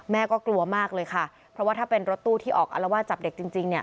แม่ก็กลัวมากเลยค่ะเพราะว่าถ้าเป็นรถตู้ที่ออกอลว่าจับเด็กจริง